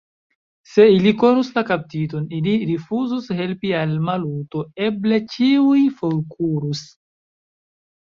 Se ili konus la kaptiton, ili rifuzus helpi al Maluto, eble ĉiuj forkurus.